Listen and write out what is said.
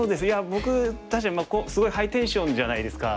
僕すごいハイテンションじゃないですか。